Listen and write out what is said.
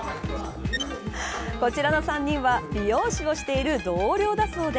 こちらの３人は美容師をしている同僚だそうで